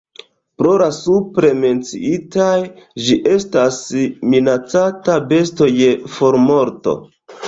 Pro la supre menciitaj, ĝi estas minacata besto je formorto.